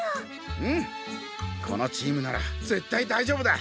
うんこのチームなら絶対大丈夫だ。